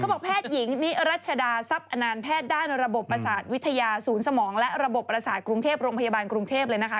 บอกแพทย์หญิงนิรัชดาทรัพย์อนานแพทย์ด้านระบบประสาทวิทยาศูนย์สมองและระบบประสาทกรุงเทพโรงพยาบาลกรุงเทพเลยนะคะ